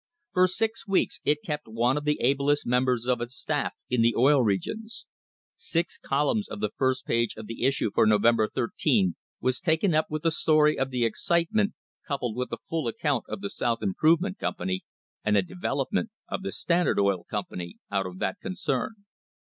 For six weeks it kept one of the ablest members of its staff in the Oil Regions. Six columns of the first page of the issue for November 13 was taken up with the story of the excitement, coupled with the full account of the South Improvement Company, and the development of the Standard Oil Company out of that concern.